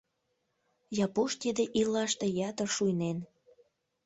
Япуш тиде ийлаште ятыр шуйнен.